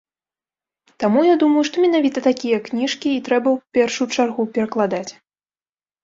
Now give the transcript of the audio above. Таму я думаю, што менавіта такія кніжкі і трэба ў першую чаргу перакладаць.